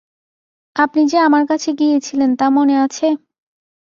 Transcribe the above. আপনি যে আমার কাছে গিয়েছিলেন তা মনে আছে?